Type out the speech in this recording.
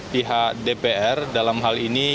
pihak dpr dalam hal ini